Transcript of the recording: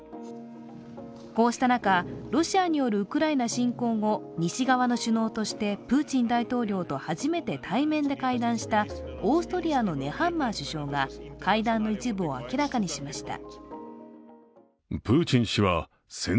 こうした中、ロシアによるウクライナ侵攻後、西側の首脳としてプーチン大統領と初めて対面で会談したオーストリアのネハンマー首相が会談の一部を明らかにしました。